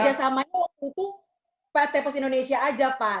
jadi kerjasamanya waktu itu pt pos indonesia aja pak